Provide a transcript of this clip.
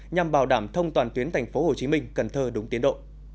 nhằm bảo đảm thông toàn tuyến tp hcm cần thơ đúng tiến độ